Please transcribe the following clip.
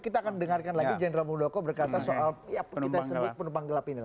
kita akan dengarkan lagi jenderal mudoko berkata soal pendukung gelap ini